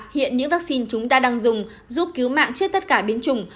hiện những vaccine chúng ta đang dùng giúp cứu mạng trước tất cả biến chủng